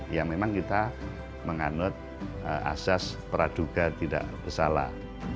ya memang kita menganut asas praduga tidak bersalah